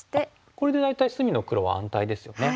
これで大体隅の黒は安泰ですよね。